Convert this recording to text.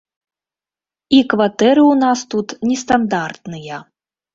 І кватэры ў нас тут нестандартныя.